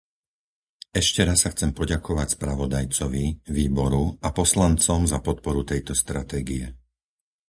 Ešte raz sa chcem poďakovať spravodajcovi, výboru a poslancom za podporu tejto stratégie.